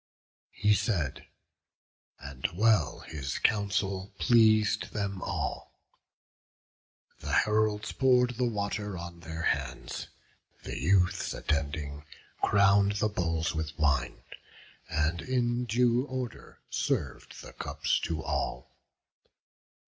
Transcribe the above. He said, and well his counsel pleas'd them all; The heralds pour'd the water on their hands; The youths, attending, crown'd the bowls with wine, And in due order serv'd the cups to all.